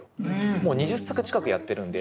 もう２０作近くやってるんで。